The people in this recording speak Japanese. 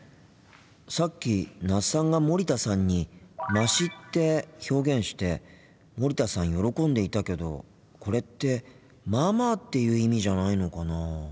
さっき那須さんが森田さんに「まし」って表現して森田さん喜んでいたけどこれって「まあまあ」っていう意味じゃないのかなあ。